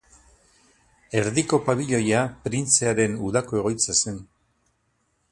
Erdiko pabilioia printzearen udako egoitza zen.